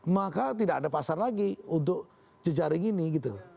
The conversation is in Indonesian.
maka tidak ada pasar lagi untuk jejaring ini gitu